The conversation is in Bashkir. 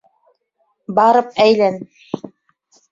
Барып әйлән.